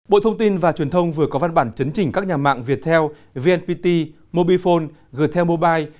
bộ thông tin và truyền thông vừa có văn bản chấn trình các nhà mạng viettel vnpt mobifone gtel mobile